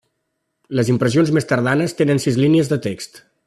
Les impressions més tardanes tenen sis línies de text.